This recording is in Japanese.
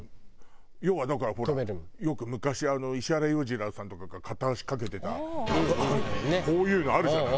要はだからほらよく昔石原裕次郎さんとかが片足かけてたこういうのあるじゃない。